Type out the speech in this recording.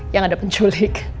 yang ada penculik